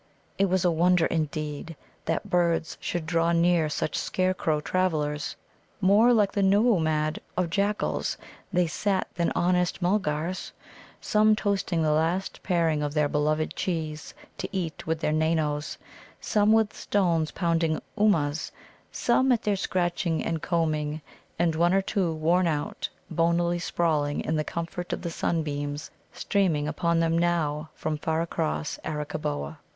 It was a wonder, indeed, that birds should draw near such scarecrow travellers. More like the Nōōmad of Jack Alls they sat than honest Mulgars; some toasting the last paring of their beloved cheese to eat with their Nanoes, some with stones pounding Ummuz, some at their scratching and combing, and one or two worn out, bonily sprawling in the comfort of the sunbeams streaming upon them now from far across Arakkaboa.